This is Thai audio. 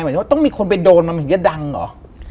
หมายถึงว่าต้องมีคนไปโดนมันเหมือนจะดังเหรอ